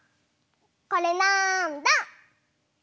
これなんだ？